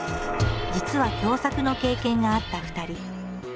実は共作の経験があった２人。